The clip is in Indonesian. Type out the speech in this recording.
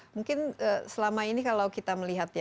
mungkin selama ini kalau kita melihatnya